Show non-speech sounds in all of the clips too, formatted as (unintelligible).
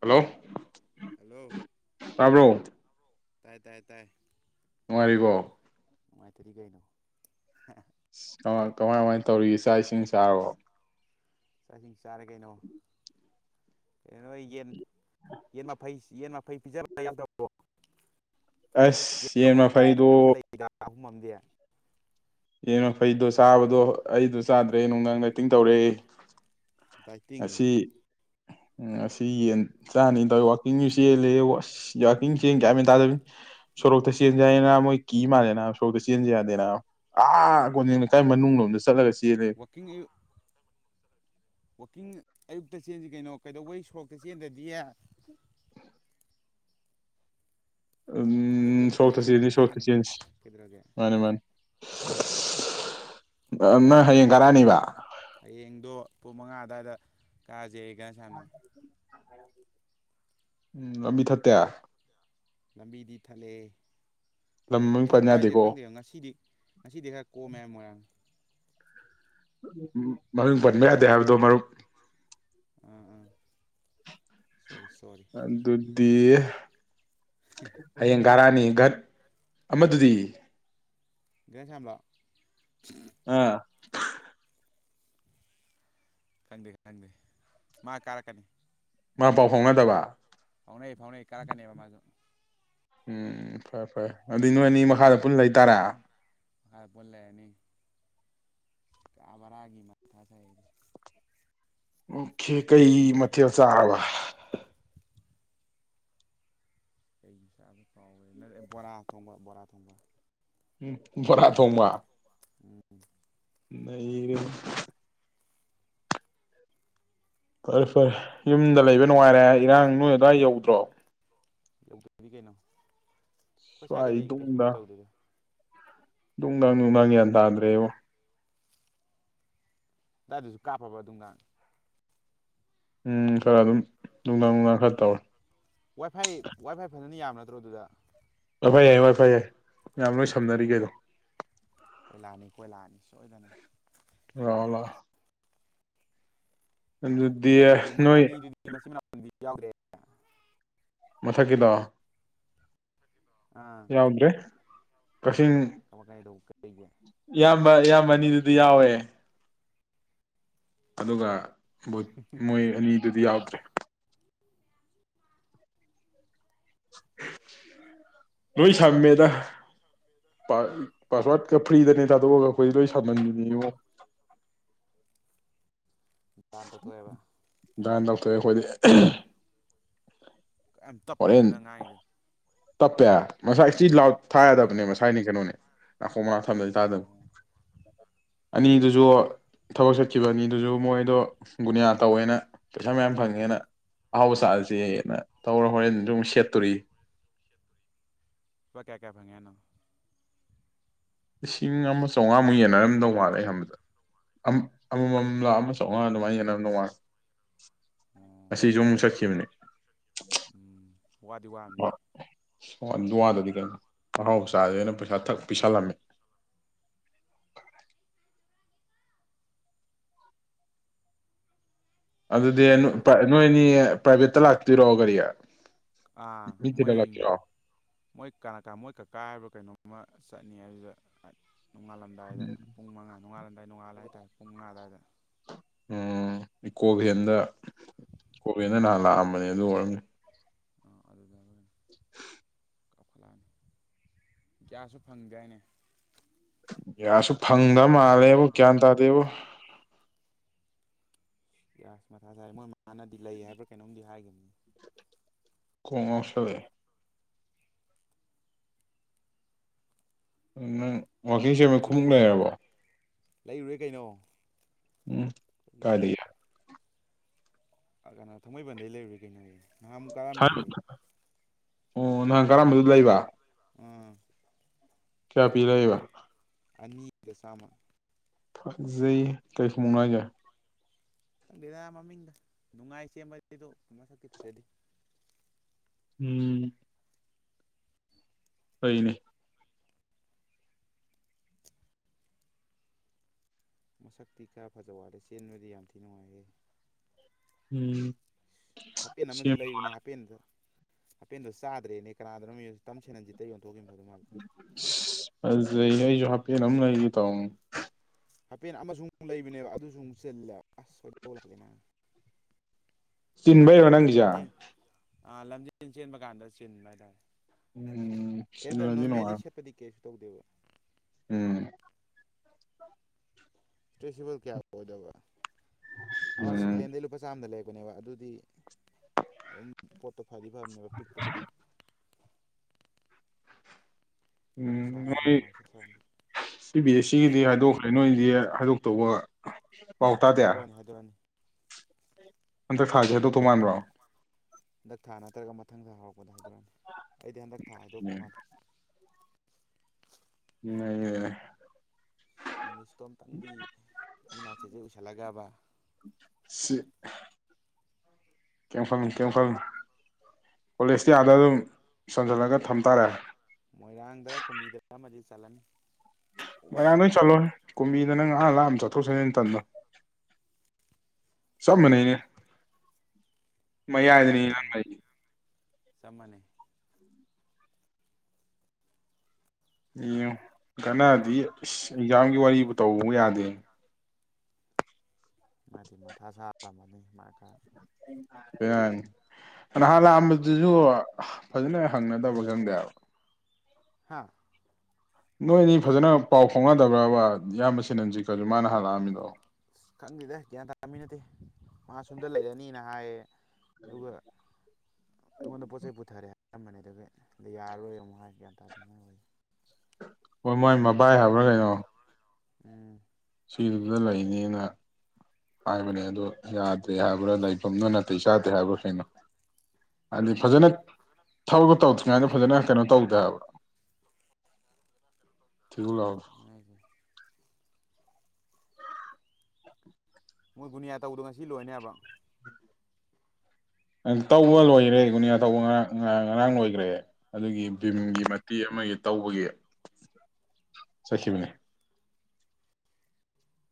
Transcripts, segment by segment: Hello hello ꯇꯥꯕꯔꯣ ꯇꯥꯏ ꯇꯥꯏ ꯇꯥꯏ ꯅꯨꯉꯥꯏꯔꯤꯕꯣ ꯅꯨꯉꯥꯏꯇꯥꯔꯗꯤ ꯀꯔꯤꯅꯣ ꯀꯃꯥꯏ ꯀꯥꯃꯥꯏ ꯇꯧꯔꯤ ꯆꯥ ꯏꯁꯤꯡ ꯆꯔꯕꯔꯣ ꯆꯥꯛ ꯏꯁꯤꯡ ꯆꯔꯦ ꯀꯔꯤꯅꯣ (unintelligible) ꯌꯦꯟ ꯃꯐꯩ ꯄꯤꯖꯥꯕ ꯌꯥꯑꯣꯗꯔꯥꯕꯣ ꯎꯟ ꯌꯦꯟ ꯃꯐꯩꯗꯨ ꯅꯪꯈꯠꯂꯛꯏꯗ ꯑꯍꯨꯝ ꯑꯃꯗꯤ ꯌꯦꯟ ꯃꯐꯩ ꯆꯥꯕꯗꯨ ꯑꯩꯗꯣ ꯆꯗꯔ꯭ꯦ ꯅꯨꯡꯗꯥꯡ ꯗꯥꯏꯇꯤꯡ ꯇꯧꯔꯦ ꯗꯥꯏꯇꯤꯡ ꯉꯁꯤ ꯉꯁꯤ ꯌꯦꯟ ꯆꯥꯅꯤꯟ ꯇꯧꯏ ꯋꯥꯀꯤꯡꯁꯨ ꯆꯦꯂꯦꯕꯣ ꯎꯟ ꯋꯥꯀꯤꯡ ꯆꯦꯟ ꯒꯌ꯭ꯥꯟ ꯃꯦꯅ ꯇꯥꯗꯕꯤꯅꯤ ꯁꯣꯔꯣꯇꯥ ꯆꯦꯟꯁꯦ ꯍꯥꯏꯌꯦꯅ ꯃꯣꯏ ꯀꯤ ꯃꯂꯦ ꯅ ꯁꯣꯔꯇꯥ ꯆꯦꯅꯁꯦ ꯌꯥꯗꯦ ꯅ ꯑꯥ ꯀꯣꯟꯖꯦꯟ ꯂꯩꯀꯥꯏ ꯃꯅꯨꯡꯂꯣꯝꯗ ꯆꯠꯂ ꯋꯥꯛꯏꯪ ꯑꯌꯨ ꯋꯥꯀꯣꯪ ꯑꯌꯨꯛꯇ ꯆꯦꯟꯁꯤ ꯀꯔꯤꯅꯣ ꯀꯩꯗꯧꯕꯩ ꯁꯣꯔꯣꯛꯠ ꯆꯦꯟꯗꯔ꯭ꯗꯤ ꯁꯣꯔꯣꯛꯇ ꯎꯝ ꯅꯨꯄꯤ ꯁꯣꯔꯣꯀꯠ ꯑꯉꯥꯡ ꯌꯦꯡꯉ ꯆꯦꯟꯒꯗꯕꯅꯤ ꯆꯦꯅꯁꯤ ꯀꯩꯗꯧꯔꯒꯦ ꯃꯅꯤ꯫ ꯃꯅꯤ꯫ ꯅꯡ ꯍꯌꯦꯪ ꯀꯔꯥꯅꯦꯕ ꯍꯌꯦꯪꯗꯨ ꯄꯨꯪ ꯃꯉꯥ ꯑꯗꯦꯋꯥꯏꯗ ꯀꯁꯦꯌꯦ ꯒꯅꯥꯌꯝꯅ ꯎꯝ ꯂꯝꯕꯤ ꯊꯥꯇꯦ ꯂꯝꯕꯤꯗꯤ ꯊꯠꯂꯦꯍꯦ ꯂꯝ ꯃꯃꯤꯡ ꯄꯟ ꯊꯠꯄ ꯍꯥꯌꯁꯦ ꯌꯥꯗꯦꯀꯣ ꯈꯪꯗꯦ ꯉꯁꯤꯗꯤ ꯈꯔꯥ ꯀꯣꯃꯦ ꯃꯣꯏꯔꯪ ꯃꯃꯤꯡ ꯄꯅꯕ ꯌꯥꯗꯦ ꯍꯥꯏꯕꯗꯨ ꯃꯔꯨꯞ ꯎ ꯎ ꯑꯗꯨꯗꯤ ꯍꯌꯦꯟ ꯀꯔꯥꯅꯤ ꯗꯥꯠ ꯃꯗꯨꯗꯤ ꯒꯅꯥꯌꯝꯂꯣ ꯎ ꯈꯟꯗꯦ ꯈꯟꯗꯦ ꯃꯥ ꯀꯥꯔꯛꯀꯅꯤ ꯃꯥ ꯄꯥꯎ ꯐꯥꯎꯅꯗꯕꯥ ꯐꯥꯎꯅꯩ ꯐꯥꯎꯅꯩ ꯀꯥꯔꯛꯀꯅꯦꯕ ꯃꯥꯖꯨ ꯎꯝ ꯐꯔꯦ ꯐꯔꯦ ꯑꯗꯨꯗꯤ ꯅꯣꯏ ꯑꯅꯤ ꯃꯈꯥꯗ ꯄꯨꯟ ꯂꯩ ꯇꯥꯔꯦ ꯃꯈꯥꯗ ꯄꯨꯟ ꯂꯩꯔꯅꯤ ꯀꯥ ꯚꯔꯥꯒꯤ ꯃꯊꯥ ꯁꯥꯏꯍꯦ ꯑꯣꯈꯦ ꯀꯩ ꯃꯊꯦꯜ ꯆꯔꯕ ꯀꯩ ꯆꯥꯕꯅꯣ ꯀꯥꯎꯒ꯭ꯔꯦ ꯚꯣꯔꯥ ꯊꯣꯡꯕ ꯚꯣꯔꯥ ꯊꯣꯡꯕ ꯎꯝ ꯚꯣꯔꯥ ꯊꯣꯡꯕ ꯎꯝ ꯅꯩꯔꯦ ꯐꯔꯦ ꯐꯔꯦ ꯌꯨꯝꯗ ꯂꯩꯕ ꯅꯨꯡꯉꯥꯏꯔꯦ ꯏꯔꯥꯡ ꯅꯣꯏ ꯑꯗꯥꯏ ꯌꯧꯗ꯭ꯔꯣ ꯌꯧꯗꯗꯤ ꯀꯩꯅꯣ ꯑꯩꯈꯣꯏ ꯁ꯭ꯋꯥꯏ ꯁ꯭ꯋꯥꯏꯗꯗꯤ ꯀꯩꯁꯨꯕꯨꯗꯤ ꯇꯧꯗꯦꯗ ꯗꯨꯡ ꯗꯥꯡ ꯗꯨꯡ ꯗꯥꯡ ꯒ꯭ꯌꯥꯟ ꯇꯥꯗ꯭ꯔꯦꯕꯣ ꯇꯥꯗ꯭ꯔꯁꯨ ꯀꯥꯞꯄꯕ ꯗꯨꯝꯉꯥ ꯎꯝ ꯈꯔ ꯑꯗꯨꯝ ꯗꯨꯡ ꯗꯥꯡ ꯈꯔ ꯇꯧꯔꯦ ꯋꯥꯏꯐꯥꯏ ꯋꯥꯏꯐꯥꯏ (unintelligible) ꯋꯥꯏꯐꯥꯏ ꯌꯥꯏ ꯋꯥꯢꯐꯥꯢ ꯌꯥꯢ ꯃꯌꯥꯝ ꯂꯣꯏ ꯁꯝꯅꯔꯤ ꯀꯔꯤꯅꯣ ꯀꯣꯏꯂꯥꯅꯤ ꯀꯣꯏꯂꯥꯅꯤ ꯁꯣꯏꯗꯅ ꯂꯥꯛꯑꯣ ꯂꯥꯛꯑꯣ ꯑꯗꯨꯗꯤ ꯅꯣꯏ ꯌꯥꯎꯗꯦ ꯃꯊꯛꯀꯤꯗꯣ ꯑꯥ ꯌꯥꯎꯗ꯭ꯔꯦ ꯀꯛꯆꯤꯡ (unintelligible) ꯕ ꯏꯌꯥꯝꯕ ꯑꯅꯤꯗꯨꯗꯤ ꯌꯥꯎꯏ ꯑꯗꯨꯒ ꯕꯣꯏ ꯃꯣꯏ ꯑꯅꯤꯗꯨꯗꯤ ꯌꯥꯎꯇ꯭ꯔꯦ ꯂꯣꯏ ꯁꯝꯃꯦꯗ ꯄꯥ ꯄꯥꯁꯋꯥꯠꯀ ꯐ꯭ꯔꯤꯗꯅꯦ ꯊꯥꯗꯣꯛꯑꯒ ꯈꯣꯏ ꯂꯣꯏ ꯁꯝꯍꯟꯕꯤꯅꯤꯉꯣ (unintelligible) ꯇꯣꯛ ꯑꯦ ꯑꯩꯈꯣꯏ ꯗꯤ (unintelligible) ꯌꯥꯝ ꯇꯞꯄꯦꯕꯣ ꯅꯪ ꯉꯥꯡꯏꯗꯣ ꯇꯞꯄꯦ ꯉꯁꯥꯏ ꯁꯤ ꯂꯥꯎꯠ ꯊꯥ ꯌꯥꯗꯕꯅꯦ ꯑꯥ ꯃꯁꯥꯏꯅꯦ ꯀꯩꯅꯣꯅꯦ ꯅꯥꯀꯣꯡ ꯃꯅꯥꯛ ꯊꯝꯗ꯭ꯔꯗꯤ ꯇꯥꯗꯕ ꯑꯣ ꯑꯅꯤꯗꯨꯖꯨ ꯊꯕꯛ ꯆꯠꯈꯤꯕ ꯑꯅꯤꯗꯨꯖꯨ ꯃꯣꯏꯗꯣ ꯒꯨꯅꯤꯌꯥ ꯇꯧꯌꯦꯅ ꯄꯧꯁꯥ ꯃꯌꯥꯝ ꯐꯪꯑꯦꯅ ꯑꯍꯥꯎꯕ ꯆꯥꯁꯦꯌꯦꯅ ꯇꯧꯔ ꯍꯣꯔꯦꯟꯖꯨ ꯑꯃꯨꯛ ꯁꯦꯠꯇꯧꯔꯤꯌꯦ ꯂꯨꯄ ꯀꯌꯥ ꯀꯌꯥ ꯐꯦꯉꯦ ꯍꯥꯏꯅꯣ ꯂꯤꯁꯤꯡ ꯑꯃ ꯆꯥꯃꯉꯥ ꯃꯨꯛ ꯌꯦꯟꯅꯔꯝꯗꯧ ꯃꯥꯜꯂꯤ ꯑꯩꯅꯥ ꯈꯟꯕꯗꯥ ꯑꯃ ꯑꯃꯃꯥꯝ ꯂꯥ ꯑꯃꯥ ꯆꯥꯃꯉꯥ ꯑꯣ ꯉꯁꯤꯖꯨ ꯑꯃꯨꯛ ꯆꯠꯈꯤꯕꯅꯤ (unintelligible) ꯋꯥꯗꯤ ꯋꯥꯝꯅꯦ (unintelligible) ꯋꯥꯗꯗꯤ ꯀꯩꯅꯣ ꯑꯍꯥꯎ ꯆꯥꯁꯦꯅ ꯄꯩꯁꯥ ꯊꯛ ꯄꯤꯁꯜꯂꯝꯃꯦ ꯑꯗꯨꯗꯤ ꯑꯩꯗꯣ (unintelligible) ꯅꯣꯏꯅꯤ ꯄꯔꯥꯏꯕꯦꯠꯇ ꯂꯥꯛꯇꯣꯏꯔꯣ ꯒꯔꯤ ꯑꯩ ꯃꯣꯏ ꯃꯣꯏ (unintelligible) ꯀꯥꯀꯥ ꯍꯥꯏꯕꯔꯥ ꯀꯩꯅꯣꯝꯃ ꯆꯠꯅꯤ ꯍꯥꯏꯗꯨꯗ ꯅꯣꯉꯥꯜꯂꯝꯗꯥꯏꯗ ꯄꯨꯡ ꯃꯉꯥ ꯅꯣꯉꯥꯜꯂꯝꯗꯥꯏ ꯅꯣꯉꯥꯜꯂꯒ ꯍꯥꯏ ꯇꯥꯔꯦ ꯄꯨꯡ ꯃꯉꯥ ꯑꯗꯥꯏꯗ ꯎꯝ ꯏꯀꯣ ꯕꯦꯟꯗ ꯏꯀꯣ ꯕꯦꯟꯗ ꯅꯍꯥꯟ ꯂꯥꯛ ꯑꯝꯕꯅꯤ ꯑꯗꯨ ꯑꯣꯏꯔꯝꯅꯤ (unintelligible) (unintelligible) ꯒꯌꯥꯁꯁꯨ ꯐꯪꯗꯦ ꯍꯥꯏꯅꯦ ꯒꯌꯥꯁꯁꯨ ꯐꯪꯗ ꯃꯥꯜꯂꯦꯕꯣ ꯒꯌ꯭ꯥꯟ ꯇꯥꯗꯦꯕꯣ (inaudible) ꯃꯊꯥ ꯁꯔꯦ ꯃꯣꯏ ꯃꯅꯗꯤ ꯂꯩ ꯍꯥꯏꯕꯔꯥ ꯀꯩꯅꯣꯝꯗꯤ ꯍꯥꯏꯈꯤꯕꯅꯦ ꯀꯣꯛ ꯉꯥꯎꯁꯜꯂꯛ ꯑꯦ ꯎꯝ ꯅꯪ ꯋꯥꯀꯤꯡ ꯆꯦꯟꯕꯩ ꯈꯨꯃꯨꯛ ꯂꯩꯔꯕꯣ ꯂꯩꯔꯨꯔꯦ ꯀꯩꯅꯣ ꯎꯝ ꯀꯔꯤ (inaudible) (inaudible) ꯅꯥꯍꯟꯃꯨꯛ ꯀꯥꯔꯛꯑꯝꯃꯤꯗꯨꯗꯤ ꯑꯣ ꯅꯍꯥꯟ ꯀꯥꯔꯛ ꯑꯝꯕꯗꯨꯗ ꯂꯩꯕ ꯑꯥ ꯀꯌꯥ ꯄꯤ ꯂꯩꯔꯤꯕ (inaudible) (inaudible) ꯐꯖꯩ ꯀꯩ ꯈꯨꯃꯨꯛꯅꯣ ꯍꯥꯏꯖꯦ ꯈꯪꯗꯦꯗ ꯃꯃꯤꯡꯒ (inaudible) ꯃꯁꯛꯇꯤ ꯐꯖꯗꯦ ꯎꯝ (unintelligible) ꯃꯁꯛꯇꯤ ꯈꯔ ꯐꯖꯕ ꯋꯥꯠꯂꯦ ꯆꯦꯡꯕꯗꯤ ꯌꯝꯊꯤ ꯅꯨꯡꯉꯥꯏꯌꯦ ꯎꯝ ꯍꯥꯄꯦꯟ ꯑꯃꯁꯨ ꯁꯦꯝ ꯂꯩꯕꯅꯤ ꯍꯥꯄꯦꯟꯗꯨ ꯍꯥꯄꯦꯟꯗꯨ ꯆꯥꯗꯔ꯭ꯦꯅꯦ ꯀꯅꯥꯗꯅꯣꯝꯃ (inaudible) (inaudible) (unintelligible) ꯐꯖꯩ ꯑꯩꯁꯨ (unintelligible) ꯀꯩꯅꯣꯝ ꯂꯩꯒꯦ ꯇꯧ (inaudible) (inaudible) (inaudible) ꯆꯤꯟꯕꯩꯔꯣ ꯅꯪꯒꯤꯁꯦ ꯂꯝꯖꯦꯟ ꯑꯥ ꯂꯝꯖꯦꯜ ꯆꯦꯟꯕꯀꯥꯟꯗ ꯆꯤꯟꯕ ꯍꯥꯏꯇꯔꯦ (unintelligible) ꯁꯦꯠꯄꯗꯤ ꯀꯩꯁꯨ (unintelligible) ꯇꯧꯗꯦꯕ ꯎꯝ ꯏꯁꯇꯔꯦꯆꯦꯕꯜ ꯀꯌꯥ ꯑꯣꯏꯗꯕ ꯑ ꯎꯝ ꯁꯀꯦꯡꯍꯦꯡꯗꯩ ꯂꯨꯄ ꯆꯥꯝꯃꯗ ꯂꯩꯔꯥꯛ ꯗꯨꯅꯦꯕ ꯑꯗꯨꯗꯤ ꯎꯝ ꯄꯣꯠꯇꯣ ꯐꯥꯗꯤ ꯐꯥꯕꯅꯦ ꯄꯤꯛꯄ ꯈꯤꯇꯪ ꯉꯟꯅ ꯎꯝ ꯁꯥꯝꯃ ꯅꯣꯏ ꯀꯩꯅꯣꯃꯥꯏꯅ ꯁꯦꯠꯆꯔꯅꯤ ꯁꯤ ꯕꯤ ꯑꯦ ꯁꯤꯒꯤꯗꯤ ꯍꯥꯏꯗꯣꯛꯈ꯭ꯔꯦ ꯅꯣꯏꯗꯤ ꯍꯥꯏꯗꯣꯛꯇꯧꯕ ꯄꯥꯎ ꯇꯥꯗꯦ ꯍꯥꯏꯗꯣꯔꯛꯑꯅꯤ ꯍꯥꯏꯗꯣꯔꯛꯑꯅꯤ ꯍꯟꯗꯛ ꯊꯥꯁꯦ ꯍꯥꯏꯗꯣꯛꯇꯧ ꯃꯥꯟꯕ꯭ꯔꯣ ꯃꯊꯪꯗ ꯍꯧ ꯚꯣꯠ ꯍꯥꯏꯗꯣꯛꯔꯛꯑꯅꯤ ꯑꯩꯗꯤ ꯍꯟꯗꯛ ꯊꯥ ꯍꯥꯏꯗꯣꯛꯇꯧ ꯃꯥꯟꯂꯦ ꯃꯌꯦꯌ ꯏꯪꯂꯤꯁꯇꯣ ꯑꯝꯇꯪꯗꯤ ꯃꯤꯠ ꯅꯥ ꯆꯦꯖꯦꯠ ꯑꯨꯏꯁꯤꯟꯂꯒꯕ (unintelligible) ꯈꯟꯂꯨꯅꯣ ꯀꯣꯂꯦꯁꯇꯤ ꯑꯥꯗꯥ ꯑꯗꯨꯝ ꯆꯟꯁꯤꯟꯂꯒ ꯊꯝ ꯇꯥꯔꯦ ꯃꯣꯏꯔꯥꯡꯗꯥꯔꯥ ꯀꯨꯝꯕꯝꯗꯥꯔꯥ ꯑꯃꯗꯤ ꯆꯟꯂꯅꯤ ꯃꯣꯏꯔꯥꯡꯗ ꯑꯣꯏ ꯆꯟꯂꯣꯍꯦ꯫ꯀꯨꯝꯕꯤꯗ ꯅꯪ ꯑꯥ ꯂꯥꯞꯅ ꯆꯠꯊꯣꯛ ꯆꯠꯁꯤꯟ ꯇꯟꯕ ꯆꯞ ꯃꯥꯟꯅꯩꯅꯦ ꯃꯌꯥꯏꯗꯅꯤ ꯅꯪ ꯂꯩꯔꯤ ꯆꯞꯃꯥꯟꯅꯩ ꯌꯦꯡꯉ꯭ꯌꯨ ꯀꯅꯗꯤ ꯏꯁ ꯑꯦꯛꯖꯥꯝꯒꯤ ꯋꯥꯔꯤꯕꯨ ꯇꯧꯕꯕꯨ ꯌꯥꯗꯦ ꯃꯥꯗꯤ ꯃꯥꯊꯥ ꯁꯥ (unintelligible) (unintelligible) ꯉꯍꯥꯟ ꯂꯥꯛꯑꯝꯕꯗꯨꯁꯨ ꯐꯖꯅ ꯍꯪꯅꯗꯕꯔꯥ ꯈꯪꯗꯦ ꯍꯥꯏꯕ ꯍꯥꯍ ꯅꯣꯏ ꯅꯤ ꯐꯖꯅ ꯄꯥꯎ ꯐꯥꯎꯅꯗꯕ꯭ꯔꯥꯕ ꯢꯌꯥꯝꯕ ꯁꯤꯅꯖꯤꯀꯗꯣ ꯃꯥ ꯉꯥꯍꯥꯟ ꯂꯥꯛꯑꯝꯃꯤꯗꯣ ꯈꯟꯗꯦꯗ ꯒ꯭ꯌꯥꯟ ꯇꯥꯕ ꯃꯤ ꯅꯠꯇꯦ ꯃꯥ ꯁꯣꯝꯗ ꯂꯩꯔꯅꯤꯅ ꯍꯥꯏꯌꯦ ꯑꯌꯨꯒ ꯑꯉꯣꯟꯗ ꯄꯣꯠ ꯆꯩ ꯄꯨꯊꯥꯔꯦ (unintelligible) ꯌꯥꯔꯔꯣꯏ ꯑꯃꯨꯛ ꯍꯥꯏ ꯒ꯭ꯌꯥꯟ ꯇꯥꯗꯦ ꯃꯣꯏ ꯋꯥꯔꯤꯖꯦ꯫ ꯃꯥꯃꯥꯏ ꯃꯕꯥꯏ ꯍꯥꯏꯕ꯭ꯔꯥ ꯀꯩꯅꯣ (inaudible) (unintelligible) ꯂꯩꯅꯤꯅ ꯍꯥꯏꯕꯅꯦ ꯑꯗꯨ ꯌꯥꯗꯦ ꯍꯥꯏꯕ꯭ꯔꯥ ꯂꯩꯐꯝꯗꯨ ꯅꯇꯩ ꯆꯗꯦ ꯍꯥꯏꯕ꯭ꯔꯥ ꯀꯩꯅꯣ ꯑꯗꯨ ꯐꯖꯅ ꯊꯕꯛ ꯇꯧꯗꯔꯤꯀꯟꯗ ꯐꯖꯅ ꯀꯩꯅꯣ ꯇꯧꯗꯦ ꯍꯥꯏꯕ ꯍꯥꯏꯁꯦ (unintelligible) ꯃꯣꯏ ꯒꯨꯅꯤꯌꯥ ꯇꯧꯕꯗꯣ ꯉꯁꯤ ꯂꯣꯏꯅꯤ ꯍꯥꯏꯕ ꯑꯪ ꯇꯧꯕ ꯂꯣꯏꯔꯦ ꯒꯨꯅꯤꯌꯥ ꯇꯧꯕ ꯉꯥꯔꯥꯡ-ꯉꯥ-ꯉꯥꯔꯥꯡ ꯂꯣꯏꯒ꯭ꯔꯦ ꯑꯗꯨꯒꯤ ꯚꯤꯝꯒꯤ ꯎꯝ ꯃꯇꯦꯛ ꯑꯃ ꯇꯧꯕꯒꯤ ꯆꯠꯈꯤꯕꯅꯦ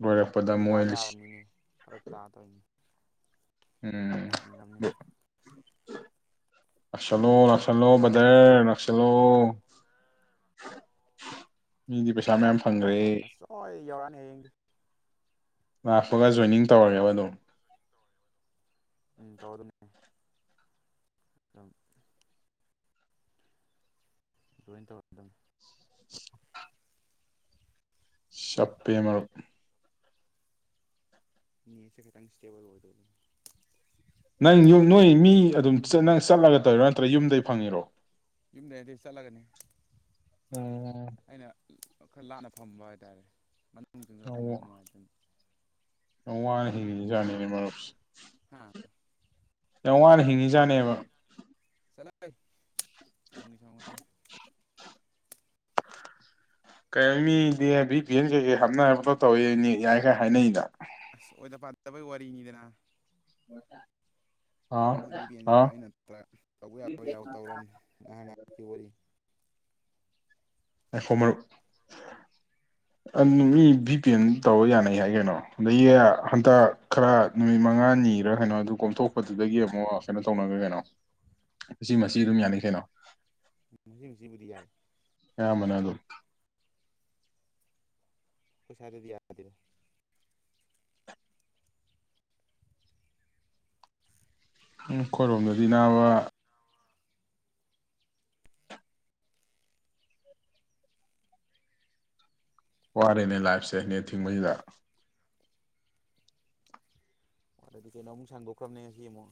ꯂꯣꯏꯔꯛꯄꯗ ꯑꯩꯈꯣꯏꯖꯨ ꯂꯥꯛ ꯃꯣꯏꯂꯤꯁꯤ ꯌꯥꯔꯝꯅꯤꯅꯦ ꯐꯥꯔꯛ ꯇꯥ ꯇꯧꯏꯅꯦ ꯎꯝ ꯂꯥꯛꯁꯟꯂꯣ-ꯂꯥꯛꯁꯟꯂꯣ ꯕꯗ꯭ꯔ ꯂꯥꯛꯁꯤꯟꯂꯣ ꯃꯤꯒꯤ ꯄꯩꯁꯥ ꯃꯌꯥꯝ ꯐꯪꯈ꯭ꯔꯦ (unintelligible) ꯑꯣꯏ ꯌꯧꯔꯛꯑꯅꯤ ꯍꯥꯌꯦꯡꯗꯤ ꯂꯛꯄꯒ ꯖꯣꯏꯅꯤꯪ ꯇꯧꯔꯦꯕꯥ ꯑꯗꯨꯝ ꯎꯝ ꯇꯧꯔꯗꯝꯅꯤ ꯎꯝ ꯖꯣꯏꯟ ꯇꯦꯔꯗꯧꯅꯤ ꯆꯞꯄꯤꯍꯦ ꯃꯔꯨꯞ ꯅꯦꯠꯁꯦ ꯈꯤꯗꯥꯪ ꯁꯇꯕꯜ ꯑꯣꯏꯗꯕꯥ ꯅꯪ ꯌꯨꯝ ꯅꯣꯏ ꯃꯤ ꯑꯗꯨꯝ ꯅꯪ ꯆꯠꯂꯒꯥ ꯇꯧꯔꯤꯔꯣ ꯅꯇꯔ꯭ꯒ ꯌꯨꯝꯗꯩꯩ ꯐꯪꯉꯤꯔꯣ ꯌꯨꯝꯗꯩ ꯅꯥꯇꯦ ꯆꯠꯂꯒꯅꯤ ꯑꯣ ꯑꯩꯅꯥ ꯈꯔꯥ ꯂꯞꯅꯥ ꯐꯝꯕꯥ ꯍꯥꯏ ꯇꯥꯔꯦ ꯏꯃꯨꯡ ꯆꯪꯖꯤꯜꯂꯥ ꯑꯣ ꯐꯝꯕꯅꯥ ꯅꯨꯪꯉꯥꯏꯗꯣꯏꯅꯤ ꯌꯥꯝ ꯋꯥꯅꯥ ꯍꯤꯡꯂꯤꯖꯠꯅꯤꯅꯩ ꯃꯔꯨꯞꯁꯤ ꯍꯥ ꯌꯥꯝ ꯋꯥꯅ ꯍꯤꯡꯂꯤꯖꯠꯅꯦꯕꯥ ꯆꯠꯂꯥꯍꯦ ꯁꯟꯒꯣꯝꯒꯤ ꯁꯟꯒꯣꯝ ꯉꯇꯅꯤ ꯀꯩꯅꯣ ꯃꯤꯗꯤ ꯕꯤꯄꯤꯑꯦꯟ ꯀꯩ ꯀꯩ ꯍꯞꯅꯔꯥ ꯄꯨꯪꯇꯧ ꯇꯧꯏ ꯅꯦꯠ ꯌꯥꯏꯒ ꯍꯥꯏꯅꯩꯗ ꯑꯁ ꯑꯣꯏꯗ ꯄꯗꯕꯩ ꯋꯔꯤꯅꯤꯗꯅꯥ (unintelligible) ꯑꯥ ꯃꯣꯏ ꯕꯤꯄꯤꯑꯟꯒꯤꯗꯨ ꯑꯥ ꯄꯨꫪꯥ ꯇꯧꯕ ꯌꯥꯕ ꯌꯥꯕ ꯇꯧꯔꯃꯝ ꯉꯥꯏꯍꯥꯛ ꯉꯥꯏꯍꯛꯀꯤ ꯋ꯭ꯔꯤꯅꯤ ꯉꯏꯈꯣ ꯃꯔꯨꯞ ꯑꯃ ꯃꯤ ꯕꯤꯄꯤꯑꯦꯟ ꯇꯧꯔꯥ ꯌꯥꯅꯩ ꯍꯥꯏ ꯀꯩꯅꯣ ꯃꯤ ꯍꯟꯗꯛ ꯈꯔꯥ ꯅꯨꯃꯤꯠ ꯃꯟꯒꯅꯤꯔꯥ ꯀꯩꯅꯣ ꯑꯗꯨ ꯀꯣꯝꯊꯣꯛꯄꯗꯨꯗꯒꯤ ꯑꯃꯨꯛ ꯀꯩꯅꯣ ꯇꯧꯅꯒꯔ꯭ꯦ ꯀꯩꯅꯣ ꯃꯆꯤ ꯃꯆꯤ ꯑꯗꯨꯝ ꯌꯅꯩ ꯀꯩꯅꯣ ꯃꯆꯤ ꯃꯆꯤꯕꯨꯗꯤ ꯌꯥꯏꯌꯦ ꯌꯥꯕꯅꯦ ꯑꯗꯨꯝ ꯑꯈꯣꯏ ꯁꯨꯋꯥꯏꯗꯗꯤ ꯌꯥꯗꯦꯕꯣ ꯑꯩꯈꯣꯏꯔꯣꯝꯗꯗꯤ ꯅꯥꯕ ꯋꯥꯔꯦꯅꯦ ꯂꯥꯞꯏꯁꯦ ꯅꯦꯠ ꯊꯤꯡꯕꯁꯤꯗ ꯑꯗꯨꯗꯒꯤ ꯍꯦꯅ ꯁꯥꯡꯗꯣꯛꯈꯔꯥꯃꯤ ꯉꯁꯤ ꯑꯃꯨꯛ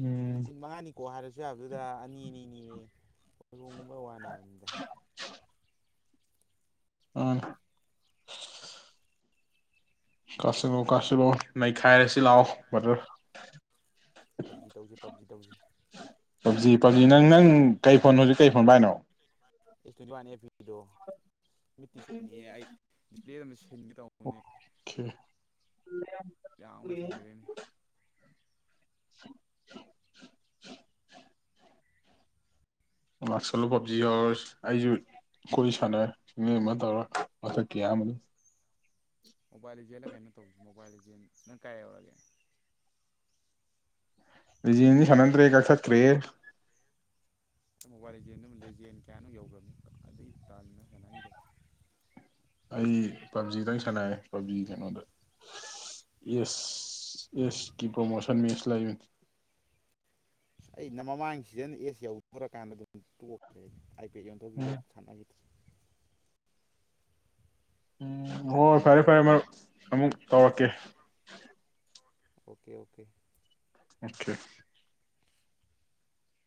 ꯎꯝ ꯅꯨꯃꯤꯠ ꯃꯉꯥꯅꯤ ꯀꯣꯛ ꯍꯥꯌꯔꯁꯨ ꯌꯥꯕꯗꯨꯗꯥ ꯑꯅꯤ ꯑꯅꯤ ꯅꯦꯌꯦ ꯍꯧꯔꯣꯟꯒꯨꯝꯕꯩ ꯋꯥꯅꯤꯗ ꯍꯥꯏꯕꯅꯤꯗ ꯎꯝ ꯀꯁꯤꯂꯣ ꯀꯁꯤꯂꯣ ꯅꯩꯈꯏꯔ꯭ꯁꯤ ꯂꯧ ꯕꯔꯣꯗꯔ ꯄꯞꯖꯤ ꯇꯧꯁꯤ ꯄꯞꯖꯤ ꯇꯧꯁꯤ ꯄꯞꯖꯤ ꯄꯞꯖꯤ ꯅꯪ ꯅꯪ ꯀꯩ ꯐꯣꯟ ꯍꯧꯖꯤꯛ ꯀꯩ ꯐꯣꯟ ꯄꯥꯏꯅꯣ ꯑꯦꯁ ꯇꯣꯏꯇꯤꯋꯥꯟ (unintelligible) ꯗꯣ ꯃꯤꯠꯇꯤ ꯁꯣꯛꯅꯤꯍꯦ ꯑꯩ (unintelligible) ꯑꯣꯛꯈꯦ ꯌꯥꯝ (inaudible) ꯂꯩꯁꯟꯈ꯭ꯔꯦꯅꯦ (inaudible) (inaudible) (inaudible) (inaudible) ꯂꯛꯁꯨꯜꯂꯣ ꯄꯞꯖꯤ ꯍꯧꯔ꯭ꯁꯤ ꯑꯩꯁꯨ ꯑꯩꯈꯣꯏꯁꯨ ꯁꯅꯔꯤ (unintelligible) (inaudible) ꯃꯣꯕꯤꯂꯦ ꯂꯤꯆꯦꯟ ꯂꯥ ꯀꯩꯅꯣꯝ ꯇꯧꯁꯤ ꯃꯤꯕꯤꯂꯦ ꯂꯤꯆꯦꯟ ꯅꯪ ꯀꯌꯥ ꯌꯧꯔꯒꯦ ꯂꯤꯆꯦꯟꯗꯤ ꯁꯅꯗꯔ꯭ꯦꯗꯥ ꯀꯥꯛꯊꯠꯈꯔ꯭ꯦ ꯍꯦ ꯃꯣꯕꯥꯜ ꯂꯤꯆꯦꯟ ꯂꯤꯆꯦꯟ ꯀꯌꯥꯅꯣ ꯑꯝ ꯌꯧꯒꯔ꯭ꯃꯤ ꯑꯗꯩꯩ ꯇꯟꯗ ꯁꯅꯒꯤꯗꯔ꯭ꯦ ꯑꯩ ꯄꯞꯖꯤꯗ ꯑꯣꯏꯅꯥ ꯑꯦꯁꯀꯤ ꯄꯔꯣꯃꯣꯇꯤꯁꯟ ꯃꯠꯆ ꯂꯩꯕꯅꯤ ꯑꯩꯅꯥ ꯃꯃꯥꯪ ꯁꯦꯥꯁꯣꯟꯗ ꯑꯦꯁ ꯌꯧꯗꯧꯔꯛ ꯀꯟꯗ ꯑꯗꯨꯝ ꯇꯣꯛ ꯈꯔ꯭ꯦ ꯀꯩꯁꯥꯝꯊꯣꯡꯒꯤꯗꯣ ꯎꯝ ꯁꯥꯟꯅꯔꯤ ꯎꯝ ꯍꯣ ꯍꯣꯢ ꯐꯔꯦ ꯐꯔꯦ ꯃꯔꯨꯞ ꯑꯃꯨꯛ ꯇꯧꯔꯛꯀꯦ ꯑꯣꯀꯦ ꯑꯣꯀꯦ ꯑꯣꯀꯦ